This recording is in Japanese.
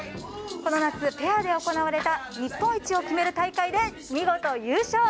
この夏、ペアで行われた日本一を決める大会で見事優勝。